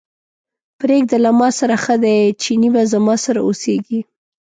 پرېږده له ماسره ښه دی، چينی به زما سره اوسېږي.